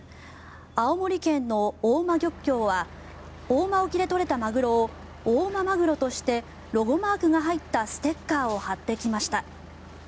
青森県の大間漁協は大間沖で取れたマグロを大間まぐろとしてロゴマークが入ったステッカーを貼ってきました。